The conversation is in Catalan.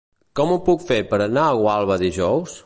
Com ho puc fer per anar a Gualba dijous?